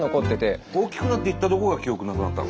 大きくなって行ったとこが記憶なくなったの？